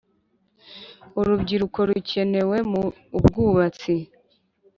urubyiruko rukenewe mu ubwubatsi